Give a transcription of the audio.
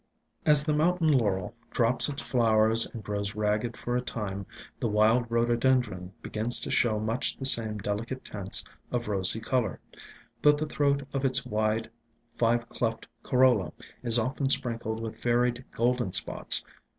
As the Mountain Laurel drops its flowers and grows ragged for a time, the Wild Rhododendron begins to show much the same delicate tints of rosy color ; but the throat of its wide, five cleft corolla is often sprinkled with varied golden spots.